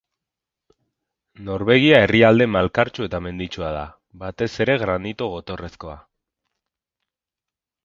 Norvegia herrialde malkartsu eta menditsua da, batez ere granito gotorrezkoa.